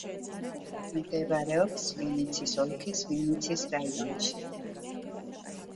მდებარეობს ვინიცის ოლქის ვინიცის რაიონში.